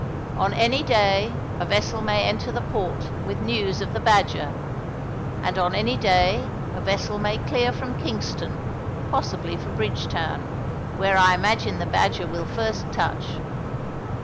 On any day a vessel may enter the port with news of the Badger, and on any day a vessel may clear from Kingston, possibly for Bridgetown, where I imagine the Badger will first touch.